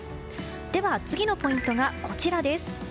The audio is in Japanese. では次のポイントがこちら。